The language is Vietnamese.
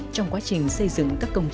trong quá trình xây dựng các công trình